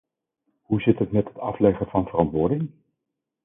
Hoe zit het met het afleggen van verantwoording?